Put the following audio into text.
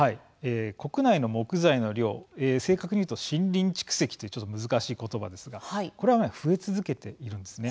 国内の木材の量正確に言うと森林蓄積というちょっと難しい言葉ですがこれは増え続けているんです。